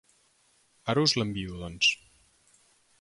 Ara us l'envio, doncs.